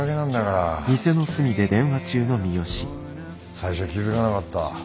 最初気付かなかった。